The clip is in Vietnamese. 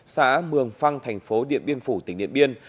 xã mường phăng thành phố điện biên phủ tỉnh điện biên